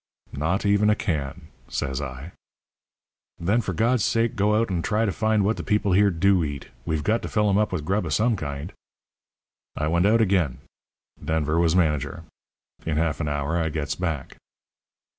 "'Not even a can,' says I. "'Then for God's sake go out and try to find what the people here do eat. We've got to fill 'em up with grub of some kind.' "I went out again. Denver was manager. In half an hour I gets back.